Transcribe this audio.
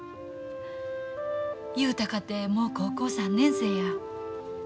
雄太かてもう高校３年生や。